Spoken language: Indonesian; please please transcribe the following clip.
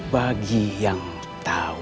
bagi yang tahu